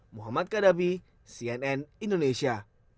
muhammad kadabi cnn indonesia